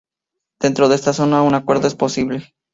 Dentro de esta zona, un acuerdo es posible.